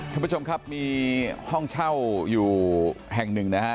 ท่านผู้ชมครับมีห้องเช่าอยู่แห่งหนึ่งนะฮะ